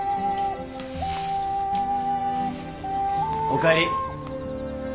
お帰り。